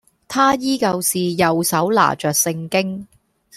他依舊是右手拿著聖經